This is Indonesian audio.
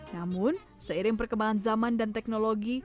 namun seiring perkembangan zaman dan teknologi